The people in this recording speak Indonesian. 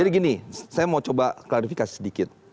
jadi gini saya mau coba klarifikasi sedikit